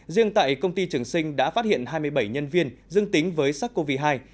riêng tại công ty trường sinh đã phát hiện hai mươi bảy nhân viên dương tính với sars cov hai